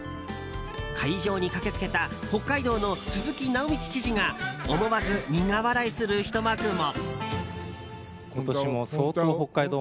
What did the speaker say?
会場に駆け付けた北海道の鈴木直道知事が思わず苦笑いするひと幕も。